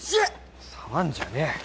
触んじゃねえ。